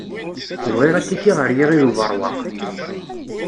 Bɣiɣ atiki ɣer Yiɣil Ubeṛwaq.